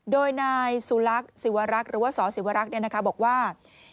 โดยนายสุรักษ์ศิวรักษ์หรือว่าสศิวรักษ์บอกว่า